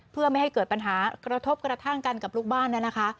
เพื่อไม่ให้เกิดปัญหากระทบกระทั่งกันกับลูกบ้านนะคะ